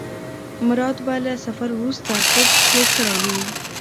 مراد به له سفر وروسته کور جوړ کړی وي.